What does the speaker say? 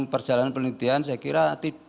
perjalanan penelitian saya kira